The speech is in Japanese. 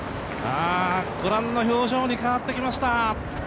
ご覧の表情に変わってきました。